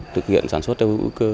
thực hiện sản xuất theo hữu cơ